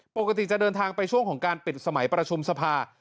ปกติจะเดินทางไปช่วงของการปิดสมัยประชุมสภา